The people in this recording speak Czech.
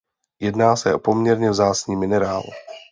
Jedná se o poměrně vzácný minerál.